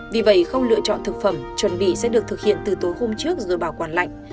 vì vậy không lựa chọn thực phẩm chuẩn bị sẽ được thực hiện từ tối hôm trước rồi bảo quản lạnh